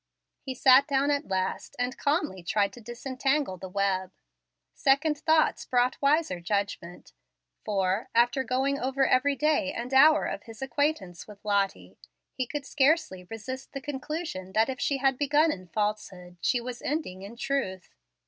He sat down at last and calmly tried to disentangle the web. Second thoughts brought wiser judgment, for, after going over every day and hour of his acquaintance with Lottie, he could scarcely resist the conclusion that if she had begun in falsehood she was ending in truth.